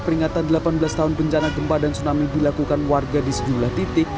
peringatan delapan belas tahun bencana gempa dan tsunami dilakukan warga di sejumlah titik